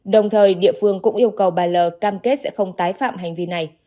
đồng thời địa phương cũng yêu cầu bà l cam kết sẽ không tái phạm hành vi này